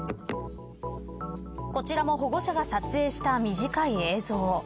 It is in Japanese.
こちらも保護者が撮影した短い映像。